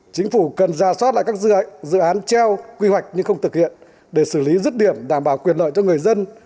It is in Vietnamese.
chính phủ cần ra soát lại các dự án treo quy hoạch nhưng không thực hiện để xử lý rứt điểm đảm bảo quyền lợi cho người dân